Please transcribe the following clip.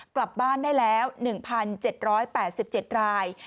กลับบ้านได้แล้ว๑๗๘๗ราย